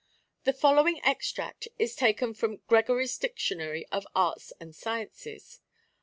The following extract is taken from Gregory's Dictionary of Arts and Sciences.